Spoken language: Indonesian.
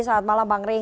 selamat malam bang rey